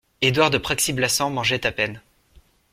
Édouard de Praxi-Blassans mangeait à peine.